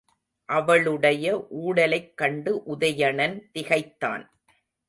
அவளுடைய ஊடலைக் கண்டு உதயணன் திகைத்தான்.